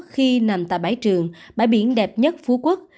khi nằm tại bãi trường bãi biển đẹp nhất phú quốc